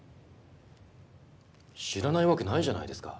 知らないわけないじゃないですか。